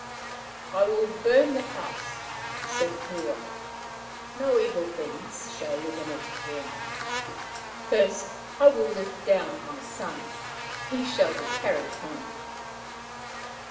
" I will burn the house," said Rua. " No evil things shall live in it again. First I will lift down my son. He shall be carried home."